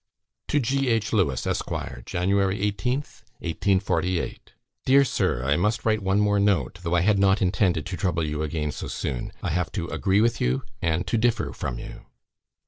To G. H. LEWES, ESQ. "Jan. 18th, 1848. "Dear Sir, I must write one more note, though I had not intended to trouble you again so soon. I have to agree with you, and to differ from you.